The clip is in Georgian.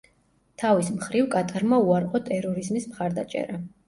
თავის მხრივ კატარმა უარყო ტერორიზმის მხარდაჭერა.